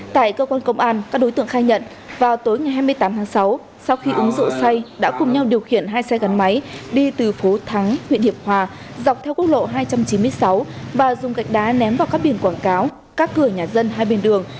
tại cơ quan công an các đối tượng khai nhận vào tối ngày hai mươi tám tháng sáu sau khi uống rượu say đã cùng nhau điều khiển hai xe gắn máy đi từ phố thắng huyện hiệp hòa dọc theo quốc lộ hai trăm chín mươi sáu và dùng gạch đá ném vào các biển quảng cáo các cửa nhà dân hai bên đường